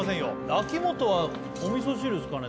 秋元はおみそ汁ですかね？